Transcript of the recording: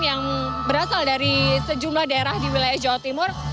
yang berasal dari sejumlah daerah di wilayah jawa timur